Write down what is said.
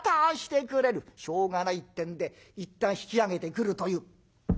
しょうがないってんでいったん引き揚げてくるという。